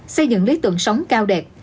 xây dựng lý tượng sống cao đẹp